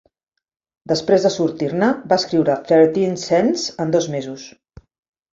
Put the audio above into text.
Després de sortir-ne, va escriure "Thirteen Cents" en dos mesos.